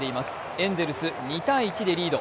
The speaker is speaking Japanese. エンゼルス、２−１でリード。